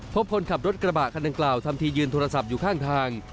พบคนขับรถกระบะคันดังกล่าวทำทียืนโทรศัพท์อยู่ข้างทาง